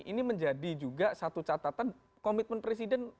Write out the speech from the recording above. ini menjadi juga satu catatan komitmen presiden